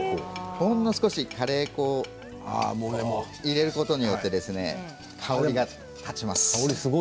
ほんの少しカレー粉を入れることによって香りが立ちます。